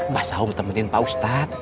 pak saum temenin pak ustadz